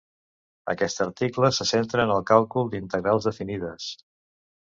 Aquest article se centra en el càlcul d'integrals definides.